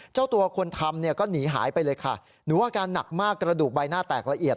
เจ้าตัวคนทำเนี่ยก็หนีหายไปเลยค่ะหนูอาการหนักมากกระดูกใบหน้าแตกละเอียด